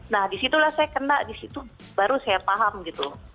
nah disitulah saya kena disitu baru saya paham gitu